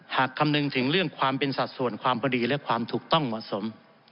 คำนึงถึงเรื่องความเป็นสัดส่วนความพอดีและความถูกต้องเหมาะสม